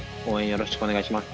よろしくお願いします。